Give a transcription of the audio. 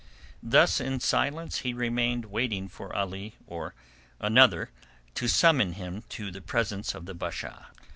Thus in silence he remained waiting for Ali or another to summon him to the presence of the Basha.